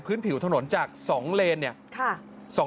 พื้นผิวถนนจากสองเลน